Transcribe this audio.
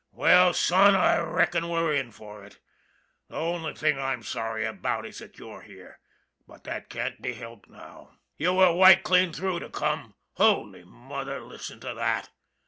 Well, son, I reckon we're in for it. The only thing I'm sorry about is that you're here ; but that can't be helped now. You were white clean through to come Holy Mother, listen to that